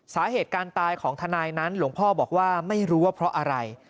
สาเหตุการตายของทนายนั้นหลวงพ่อบอกว่าไม่รู้ว่าเพราะอะไร